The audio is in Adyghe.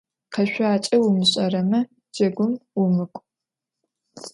Kheşsuaç'e vumış'ereme, cegum vumık'u.